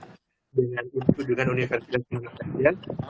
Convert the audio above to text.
kita bisa berkolaborasi dengan untuk dengan universitas indonesia